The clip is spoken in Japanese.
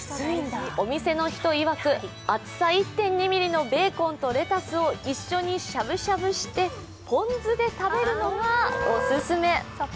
お店の人いわく、厚さ１．２ｍｍのベーコンとレタスを一緒にしゃぶしゃぶしてポン酢で食べるのがお勧め。